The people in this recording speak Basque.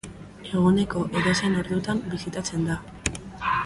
Eguneko edozein ordutan bisitatzen da.